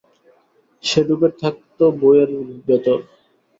সে ডুবে থাকত বইয়ের ভেতর।